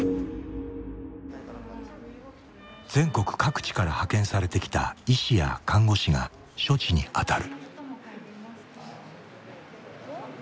全国各地から派遣されてきた医師や看護師が処置に当たる。